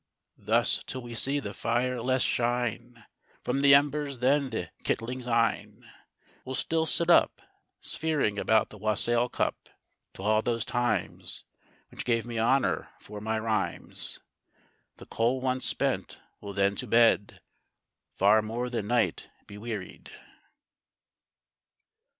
Thus, till we see the fire less shine From th' embers than the kitling's eyne, We'll still sit up, Sphering about the wassail cup, To all those times Which gave me honour for my rhymes; The coal once spent, we'll then to bed, Far more than night bewearied.